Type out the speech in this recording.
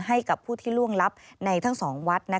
ให้กับผู้ที่ล่วงลับในทั้งสองวัด